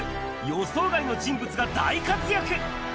予想外の人物が大活躍。